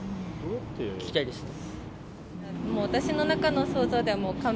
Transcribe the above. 聞きたいですね。